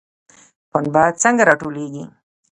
پنبه څنګه راټولیږي؟